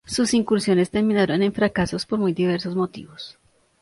Sus incursiones terminaron en fracasos por muy diversos motivos.